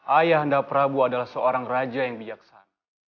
ayah anda prabu adalah seorang raja yang bijaksana